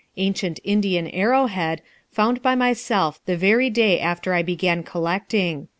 Ancient Indian arrowhead, found by myself the very day after I began collecting.